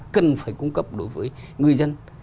cần phải cung cấp đối với người dân